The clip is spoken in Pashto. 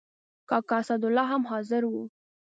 کاکا اسدالله هم حاضر و.